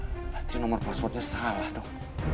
berarti nomor passwordnya salah dong